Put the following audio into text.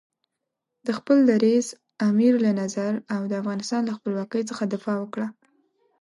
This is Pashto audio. د خپل دریځ، امیر له نظر او د افغانستان له خپلواکۍ څخه دفاع وکړه.